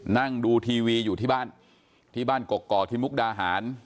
นั่งดูทีวีอยู่ที่บ้านกกอที่มุกดาหาร